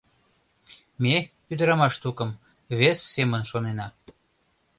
Ме, ӱдырамаш тукым, вес семын шонена.